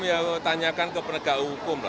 ya tanyakan ke penegak hukum lah